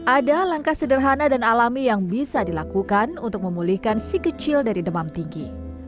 ada langkah sederhana dan alami yang bisa dilakukan untuk memulihkan si kecil dari demam tinggi